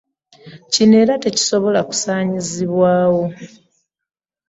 Kino era tekisobola kusaanyizibwawo.